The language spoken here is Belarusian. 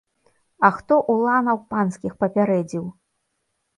А хто уланаў панскіх папярэдзіў?